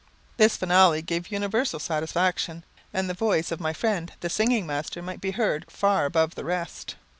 This finale gave universal satisfaction, and the voice of my friend the singing master might be heard far above the rest.